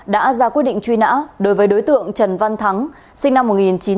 đã ra quyết định truy nã đối với đối tượng trần văn thắng sinh năm một nghìn chín trăm tám mươi